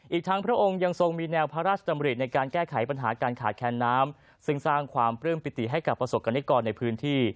อีกทั้งพระองค์ยังทรงมีแนวพระราชดำริในการแก้ไขปัญหาการขาดแคนน้ำซึ่งสร้างความปลื้มปิติให้กับประสบกรณิกรในพื้นที่